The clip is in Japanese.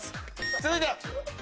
続いて。